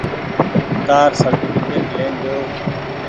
تآر سرٽيڦڪيٽ لين جو۔